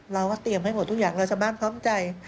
เราว่าเตรียมให้หมดทุกอย่างเราจะบ้านพร้อมใจ